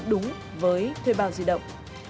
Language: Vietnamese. đúng với thuê bao di động